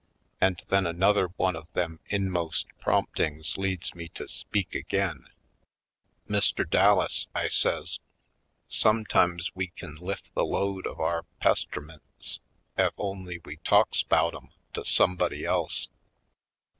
And then another one of them in most promptings leads me to speak again r 176 /. Poindexter^ Colored "Mr. Dallas," I says, "sometimes we kin lif the load of our pestermints ef only we talks 'bout 'em to somebody else.